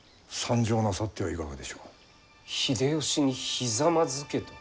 秀吉にひざまずけと？